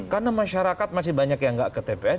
karena masyarakat masih banyak yang nggak ke tps